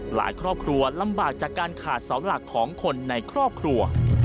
หลายครอบครัวลำบากจากการขาดเสาหลักของคนในครอบครัว